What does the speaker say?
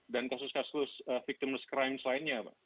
dan kasus kasus victimless crimes lainnya